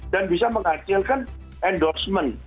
dan bisa menghasilkan endorsement